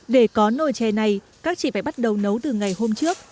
để có nồi chè này các chị phải bắt đầu nấu từ ngày hôm trước